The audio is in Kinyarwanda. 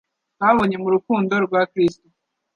twabonye mu rukundo rwa Kristo.